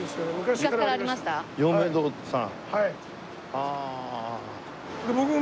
ああ